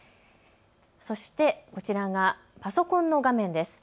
そして、こちらがパソコンの画面です。